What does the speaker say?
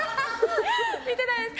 見てないです。